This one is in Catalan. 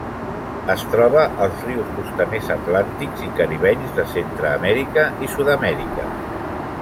Es troba als rius costaners atlàntics i caribenys de Centreamèrica i Sud-amèrica.